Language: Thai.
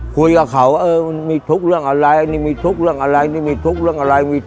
คุยกับเขามีทุกเรื่องอะไรมีทุกเรื่องอะไรมีทุกเรื่องอะไร